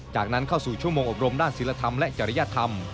จากนั้นเข้าสู่ชั่วโมงอบรมด้านศิลธรรมและจริยธรรม